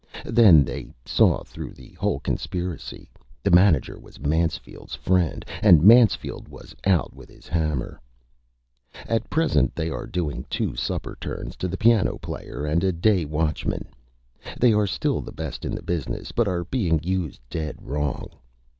Then They saw through the whole Conspiracy. The Manager was Mansfield's Friend and Mansfield was out with his Hammer. At Present they are doing Two Supper Turns to the Piano Player and a Day Watchman. They are still the Best in the Business, but are being used Dead Wrong.